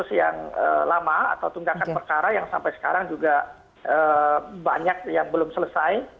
kasus yang lama atau tunggakan perkara yang sampai sekarang juga banyak yang belum selesai